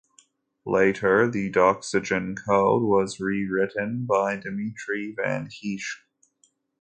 Later, the Doxygen code was rewritten by Dimitri van Heesch.